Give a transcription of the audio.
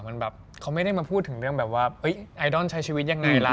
เหมือนแบบเขาไม่ได้มาพูดถึงเรื่องแบบว่าไอดอลใช้ชีวิตยังไงล่ะ